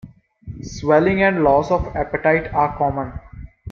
Swelling and loss of appetite are common.